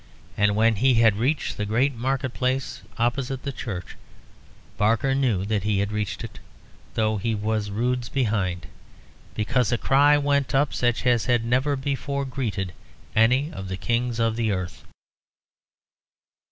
And when he had reached the great market place opposite the church, Barker knew that he had reached it, though he was roods behind, because a cry went up such as had never before greeted any of the kings of the earth.